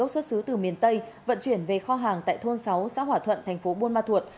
xuất xứ từ miền tây vận chuyển về kho hàng tại thôn sáu xã hỏa thuận thành phố buôn ma thuột